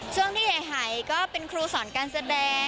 ช่วงที่ใหญ่หายก็เป็นครูสอนการแสดง